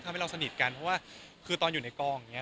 ก็ทำให้เราสนิทกันเพราะว่าคือตอนอยู่ในกล้องเนี่ย